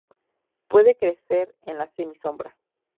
Puede crecer en la semi-sombra.